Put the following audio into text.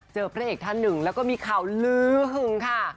พระเอกท่านหนึ่งแล้วก็มีข่าวลื้อหึงค่ะ